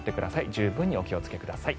十分にお気をつけください。